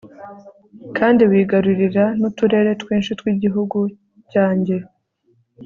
kandi wigarurira n'uturere twinshi tw'igihugu cyanjye